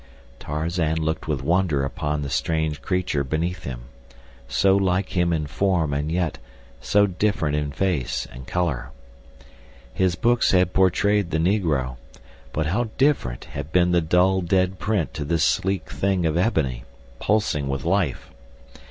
Tarzan looked with wonder upon the strange creature beneath him—so like him in form and yet so different in face and color. His books had portrayed the negro, but how different had been the dull, dead print to this sleek thing of ebony, pulsing with life.